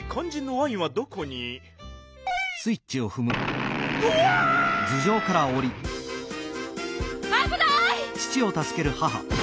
あぶない！